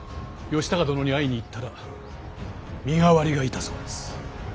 義高殿に会いに行ったら身代わりがいたそうです。